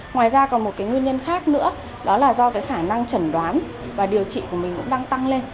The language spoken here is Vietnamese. ngoài ra còn một cái nguyên nhân khác nữa đó là do cái khả năng chẩn đoán và điều trị của mình cũng đang tăng lên